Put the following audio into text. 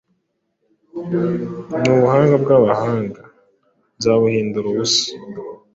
n’ubuhanga bw’abahanga nzabuhindura ubusa.’”